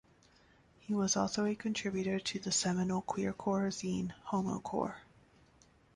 He was also a contributor to the seminal queercore zine "Homocore".